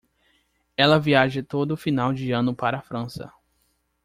Ela viaja todo final de ano para a França.